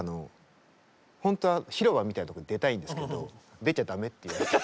ほんとは広場みたいなところに出たいんですけど出ちゃダメって言われて。